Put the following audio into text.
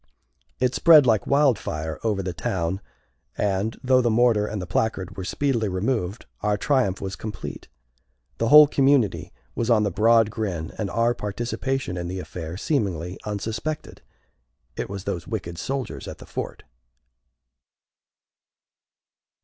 It spread like wildfire over the town, and, though the mortar and the placard were speedily removed, our triumph was complete. The whole community was on the broad grin, and our participation in the affair seemingly unsuspected. It was those wicked soldiers at the fort!